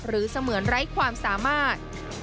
เสมือนไร้ความสามารถ